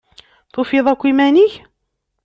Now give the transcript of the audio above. Tufiḍ akk iman-ik?